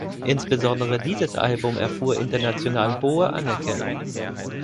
Insbesondere dieses Album erfuhr international hohe Anerkennung.